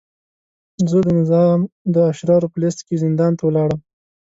زه د نظام د اشرارو په لست کې زندان ته ولاړم.